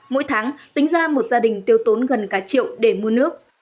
mỗi tháng tính ra một gia đình tiêu tốn gần cả triệu để mua nước